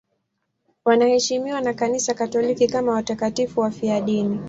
Wanaheshimiwa na Kanisa Katoliki kama watakatifu wafiadini.